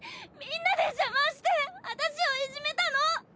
みんなで邪魔してあたしをいじめたの！